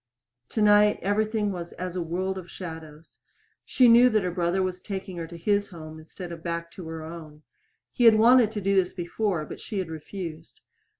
Tonight everything was as a world of shadows. She knew that her brother was taking her to his home instead of back to her own. He had wanted to do this before, but she had refused.